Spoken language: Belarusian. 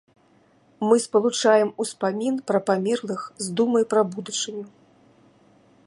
Мы спалучаем успамін пра памерлых з думай пра будучыню.